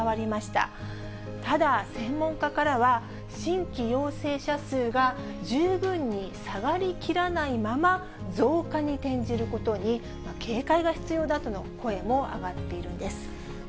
ただ、専門家からは新規陽性者数が十分に下がりきらないまま増加に転じることに警戒が必要だとの声も上がっているんです。